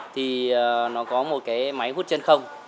thì nó có một cái máy hút chân không